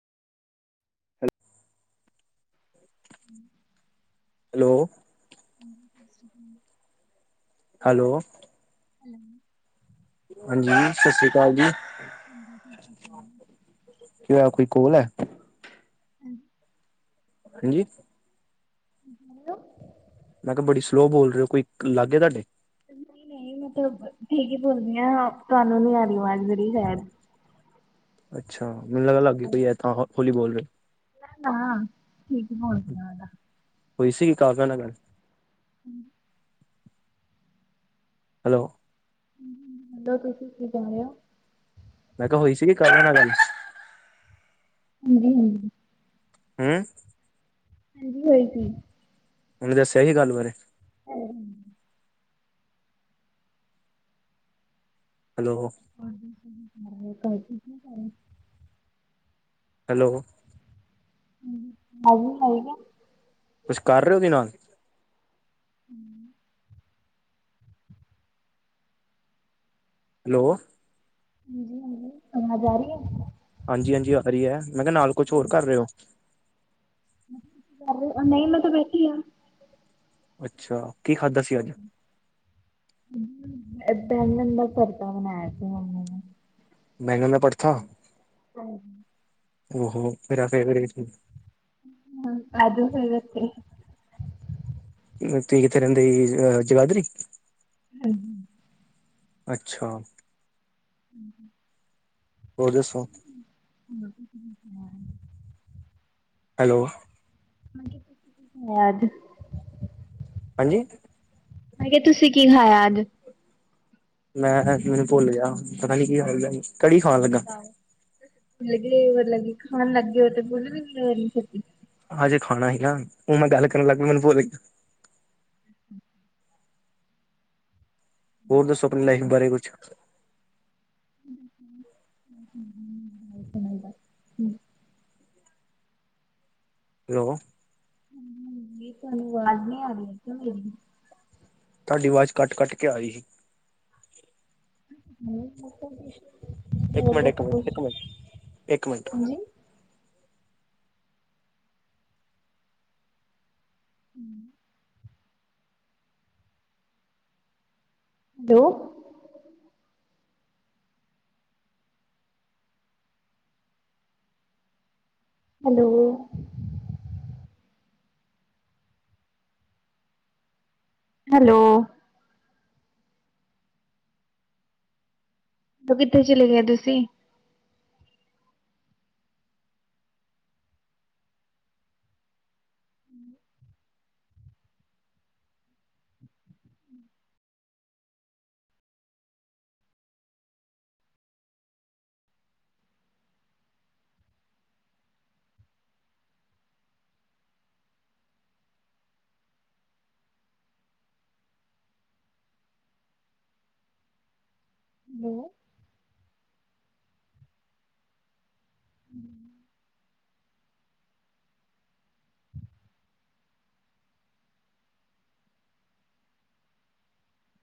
[inaudible] ਹੂੰ hello hello ਸ਼ਸ਼ ਸੀ਼੍ ਕਾਲ। ਹੈਲੋ ਹੈਲੋ ਹਾਂਜੀ ਸਤਿ ਸ੍ਰੀ ਅਕਾਲ ਜੀ। ਹਾਂਜੀ ਸ਼ਸ਼ ਸ਼੍ਰੀ ਅਕਾਲ। ਕੀ ਹੋਇਆ ਕੋਈ ਕੋਲ ਐ? ਹੂੰ ਹਾਂਜੀ ਕੀ ਬੋਲਿਓ? ਮੈਂ ਕਿਹਾ ਬੜੀ ਸਲੋ ਬੋਲ ਰਹੇ ਹੋ ਕੋਈ ਲਾਗੇ ਤੁਹਾਡੇ। ਨਹੀਂ ਨਹੀਂ ਮਤਲਬ ਠੀਕ ਹੀ ਬੋਲਦੀ ਹਾ ਤੁਹਾਨੂੰ ਨੀ ਆ ਰਹੀ ਆਵਾਜ਼ ਮੇਰੀ ਸ਼ਾਇਦ। ਅੱਛਾ ਮੈਨੂੰ ਲੱਗ ਲਾਗੀ ਕੋਈ ਬੈਠਾ ਐ ਤਾਂ ਹੋਲੀ ਬੋਲ ਰਹੇ ਹੋ। ਨਾ ਹੁਣ ਠੀਕ ਬੋਲਦੀ ਜਿਆਦਾ। ਹੋਈ ਸੀ ਕਾਫਿਆਂ ਨਾਂ ਗੱਲ? ਹੂੰ ਹੈਲੋ ਨੀ ਤੁਸੀਂ ਕੀ ਕਹਿ ਰਹੇ। ਮੈਂ ਕਿਹਾ ਹੋਈ ਸੀਗੀ ਕਰ ਉਹਨਾ ਨਾਲ ਗੱਲ? ਹੂੰ ਹੂੰ ਨਈ ਹੋਈ ਸੀ। ਉਹਨੇ ਦੱਸਿਆ ਨੀ ਗੱਲ ਬਾਰੇ। [inaudible] ਹੈਲੋ। ਹਾਂਜੀ ਤੁਸੀਂ ਸੁਣਾਓ ਕਰ ਠੀਕ ਨੇ ਸਾਰੇ? ਹੈਲੋ। ਹਾਜੀ ਹੈਗਾ। ਕੁਛ ਕਰ ਰਹੇ ਹੋ ਓਦੇ ਨਾਲ ਹੂੰ। ਹੈਲੋ। ਹਾਂਜੀ-ਹਾਂਜੀ, ਅਵਾਜ਼ ਆ ਰਹੀ ਐ। ਹਾਂਜੀ-ਹਾਂਜੀ, ਆਹੀ ਐ। ਮੈਂ ਕਿਹਾ ਨਾਲ ਕੁਛ ਹੋਰ ਕਰ ਰਹੇ ਓ। ਕਰ ਰੀ, ਨਈ ਮੈਂ ਤਾਂ ਬੈਠੀ ਆ। ਅੱਛਾ। ਕੀ ਖਾਧਾ ਸੀ ਅੱਜ ਏ ਬੈਂਗਣ ਦਾ ਪਰਥਾ ਬਣਾਇਆ ਸੀ ਮੰਮੀ ਨੇ ਬੈਂਗਣ ਦਾ ਪਰਥਾ? ਹਾਂਜੀ। ਓ ਹੋ ਮੇਰਾ ਫੇਵਰੇ ਆਜੋ ਫੇਰ ਏਥੇ ਤੁਸੀਂ ਕਿੱਥੇ ਰੈੰਦੇ ਅਹ ਜਗਾਦਰੀ। ਹਾਂਜ ਅੱਛਾ। ਹੂੰ-ਹੂੰ। ਹੋ ਦੱਸੋ? ਵਧੀਆ। ਹੈਲੋ। ਆਜ। ਹਾਂਜੀ। ਮੈਂ ਕੇਹਾ ਤੁਸੀਂ ਕੀ ਖਾਇਆ ਅੱਜ? ਮੈਂ ਮੈਨੂੰ ਭੁੱਲ ਗਿਆ, ਪਤਾ ਨੀ ਕੀ ਖਾਦਾ ਸੀ। [unintelligible] ਖਾਣ ਲੱਗੇ ਓ, ਤੇ ਭੁੱਲ ਭੀ ਗਏ ਓ ਇੰਨੀ ਛੇਤੀ। ਹਜੇ ਖਾਣਾ ਸੀ ਨਾ, ਓ ਮੈਂ ਗੱਲ ਕਰਨ ਲੱਗ ਗਿਆ ਮੈਨੂੰ ਭੁੱਲ ਹੂੰ। ਹੋਰ ਦੱਸੋ, ਆਪਣੀ ਲਾਈਫ ਬਾਰੇ ਕੁਛ? [inaudible] ਹੈਲੋ। [unintelligible] ਜੀ ਤੁਹਾਨੂੰ ਆਵਾਜ਼ ਨੀ ਆ ਰਹੀ ਕਿਆ ਮੇਰੀ? ਤਾਡੀ ਆਵਾਜ਼ ਕੱਟ-ਕੱਟ ਕੇ ਆ ਰਹੀ ਸੀ। [unintelligible] ਹੋਰ ਇੱਕ ਮਿੰਟ ਤਾਂ ਇੱਕ ਆਪਾ ਕੁੱਛ, ਮਿੰਟ ਇੱਕ ਮਿੰਟ ਇੱਕ ਮਿੰਟ ਹਾਂਜੀ। ਹੂੰ। ਦੋ ਹੈਲੋ। ਹੈਲੋ। ਓ ਕਿੱਥੇ ਚਲੇ ਗਏ ਤੁਸੀਂ? ਹੂੰ। ਹੈਲੋ। ਹੂੰ।